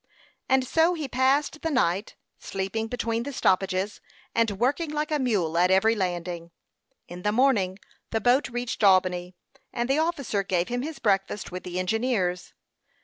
And so he passed the night, sleeping between the stoppages, and working like a mule at every landing. In the morning the boat reached Albany, and the officer gave him his breakfast with the engineers.